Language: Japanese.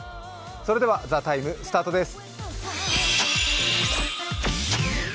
それでは「ＴＨＥＴＩＭＥ，」スタートです。